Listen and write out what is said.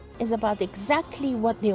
ini tentang apa yang mereka lakukan di sini